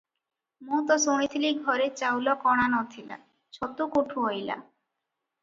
ମୁଁ ତ ଶୁଣିଥିଲି ଘରେ ଚାଉଳ କଣା ନ ଥିଲା- ଛତୁ କୁଠୁ ଅଇଲା?